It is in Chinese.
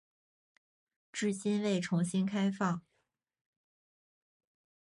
至今未重新开放。